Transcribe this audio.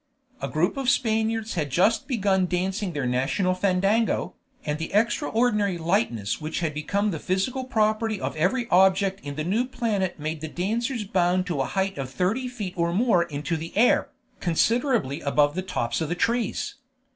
A group of Spaniards had just begun dancing their national fandango, and the extraordinary lightness which had become the physical property of every object in the new planet made the dancers bound to a height of thirty feet or more into the air, considerably above the tops of the trees.